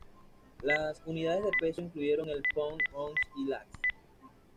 Las unidades de peso incluyeron el "pond", ons y "last".